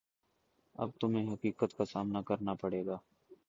اب تمہیں حقیقت کا سامنا کرنا پڑے گا